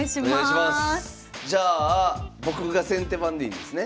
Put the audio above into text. じゃあ僕が先手番でいいんですね？